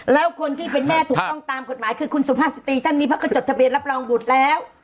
แล้วคนที่เป็นแม่ถูกต้องตามกฎหมายคือคุณสุภาพสตรีท่านนี้เพราะก็จดทะเบียนรับรองบุตรแล้ว